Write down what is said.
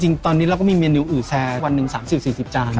จริงตอนนี้เราก็มีเมนูอึแซควันนึง๓๐๔๔วัน